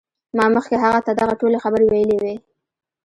ما مخکې هغه ته دغه ټولې خبرې ویلې وې